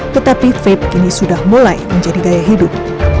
tetapi vape kini sudah mulai menjadi gaya hidup